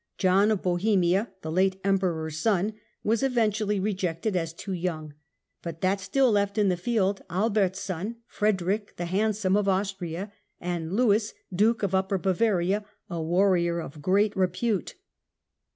John of Bohemia, the late Bliiperor's son, was eventually rejected as too young'; but that still left in the field Albert's son, Frederick the Handsome of Austria ; and Lewis Duke of Upper Bavaria, a warrior of great repute.